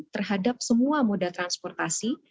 terhadap semua moda transportasi